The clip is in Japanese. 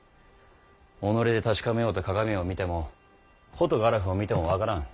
己で確かめようと鏡を見てもホトガラフを見ても分からぬ。